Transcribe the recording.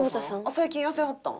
最近痩せはったん？